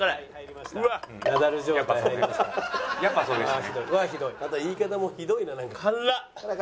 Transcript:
また言い方もひどいななんか。